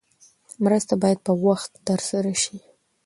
مرسته باید په وخت ترسره شي.